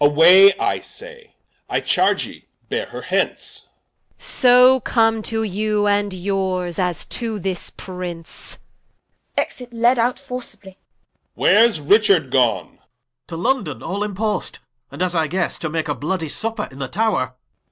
Away I say, I charge ye beare her hence, Qu. So come to you, and yours, as to this Prince. Exit Queene. Ed. Where's Richard gone Cla. To London all in post, and as I guesse, To make a bloody Supper in the Tower Ed.